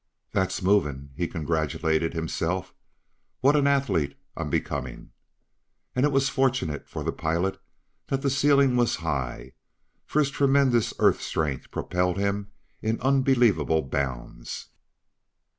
"That's movin'!" he congratulated himself. "What an athlete I'm becomin'!" And it was fortunate for the pilot that the ceiling was high, for his tremendous Earth strength propelled him in unbelievable bounds.